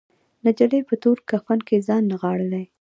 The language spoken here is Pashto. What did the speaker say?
نجلۍ په تور کفن کې ځان نغاړلی